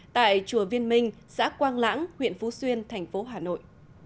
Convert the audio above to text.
tại chùa viên minh xã quang lãng huyện phú xuyên thành phố hà nội